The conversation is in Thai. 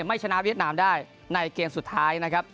ไม่ชนะเวียดนามได้ในเกมสุดท้ายนะครับ